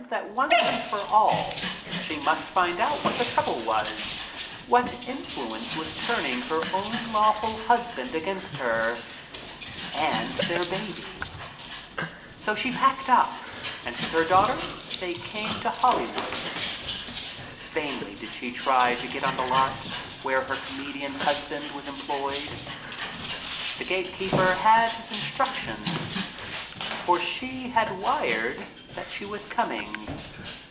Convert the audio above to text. that once and for all she must find out what the trouble was — what influence was turning her own lawful husband against her — and their baby. So she packed up and with her daughter they came to Hollywood. Vainly did she try to get on "lot" where her comedian husband was em ployed. The gate keeper had his instructions — for she had wired that she was coming.